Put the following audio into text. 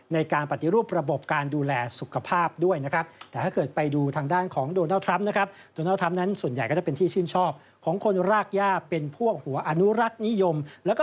ในการปฏิรูประบบการดูแลสุขภาพด้วยนะครับ